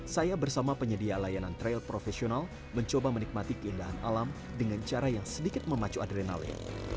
saya bersama penyedia layanan trail profesional mencoba menikmati keindahan alam dengan cara yang sedikit memacu adrenalin